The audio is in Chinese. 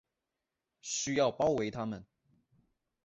需要包围他们